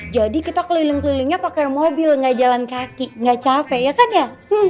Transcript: jadi kita keliling kelilingnya pakai mobil gak jalan kaki gak capek ya kan ya